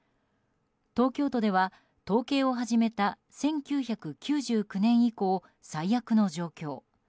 東京都では統計を始めた１９９９年以降、最悪の状況。